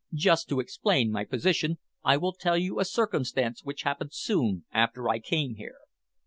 Just to explain my position, I will tell you a circumstance which happened soon after I came here.